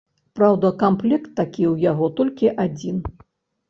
Праўда, камплект такі ў яго толькі адзін.